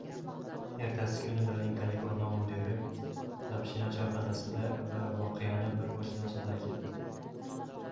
ertasi kuni dolinkalik oʻrmon mudiri Dobshina choyxonasida va voqeani bir boshidan soʻzlay ketdi.